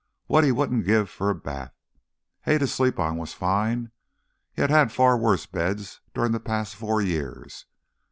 What he wouldn't give for a bath! Hay to sleep on was fine; he had had far worse beds during the past four years.